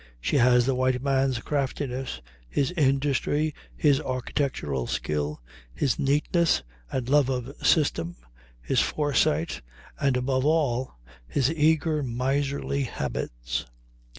She has the white man's craftiness, his industry, his architectural skill, his neatness and love of system, his foresight; and, above all, his eager, miserly habits.